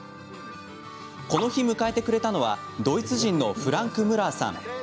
この日迎えてくれたのはドイツ人のフランク・ムラーさん。